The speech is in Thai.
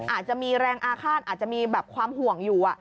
อาจจะมีแรงอาฆาตอาจจะมีแบบความห่วงอยู่